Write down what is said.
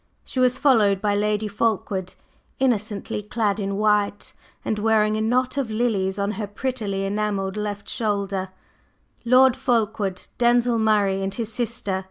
She was followed by Lady Fulkeward, innocently clad in white and wearing a knot of lilies on her prettily enamelled left shoulder, Lord Fulkeward, Denzil Murray and his sister.